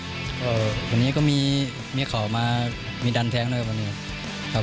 ก็วันนี้ก็มีข่อมามีดันแท้งด้วยครับวันนี้นะครับ